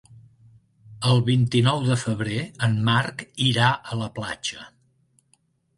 El vint-i-nou de febrer en Marc irà a la platja.